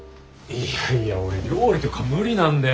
いやいや俺料理とか無理なんで。